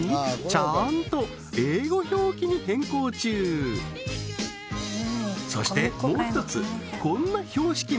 ちゃんと英語表記に変更中そしてもう一つ